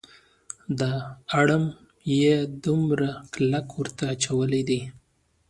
دا اړم یې دومره کلک ورته اچولی دی.